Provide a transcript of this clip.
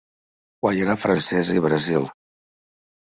Guaiana Francesa i Brasil.